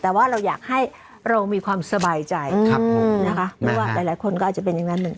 แต่ว่าเราอยากให้เรามีความสบายใจครับผมนะคะหรือว่าหลายหลายคนก็อาจจะเป็นอย่างนั้นเหมือนกัน